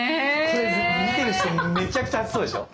これ見てる人めちゃくちゃ暑そうでしょ。